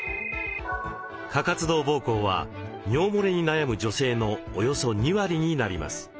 過活動膀胱は尿もれに悩む女性のおよそ２割になります。